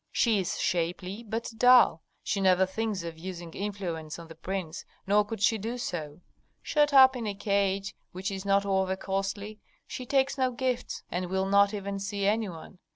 "She is shapely, but dull; she never thinks of using influence on the prince, nor could she do so. Shut up in a cage which is not over costly, she takes no gifts, and will not even see any one.